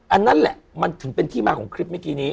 อันนั้นแหละมันถึงเป็นที่มาของคลิปเมื่อกี้นี้